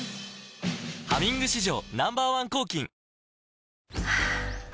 「ハミング」史上Ｎｏ．１抗菌ハァ。